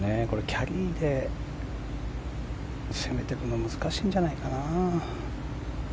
キャリーで攻めていくの難しいんじゃないかな。